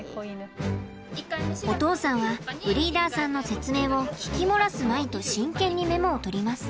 お父さんはブリーダーさんの説明を聞き漏らすまいと真剣にメモを取ります。